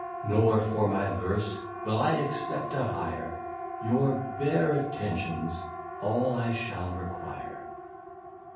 Nor for my Verse will I accept a Hire, Your bare Attentions all I shall require.